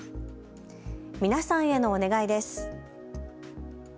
皆さんへのお願いです。